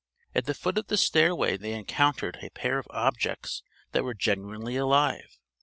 At the foot of the stairway they encountered a pair of objects that were genuinely alive.